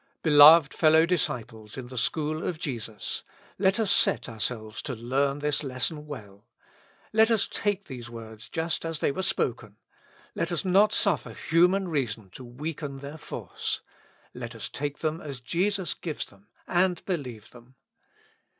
Beloved fellow disciples in the school of Jesus! let us set ourselves to learn this lesson well. Let us take these words just as they were spoken. Let us not suflfer human reason to weaken their force. Let us take them as Jesus gives them, and believe them.